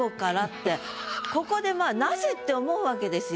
ここでまあなぜって思うわけですよ。